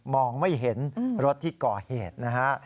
มองไม่เห็นรถที่ก่อเหตุ